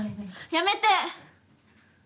やめて！